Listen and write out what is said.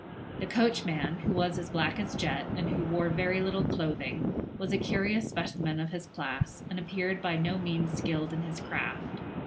The coachman, who was as black as jet, and who wore very little clothing, was a curious specimen of his class, and appeared by no means skilled in his craft.